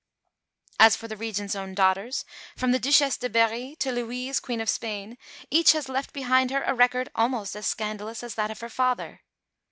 As for the Regent's own daughters, from the Duchesse de Berry, to Louise, Queen of Spain, each has left behind her a record almost as scandalous as that of her father.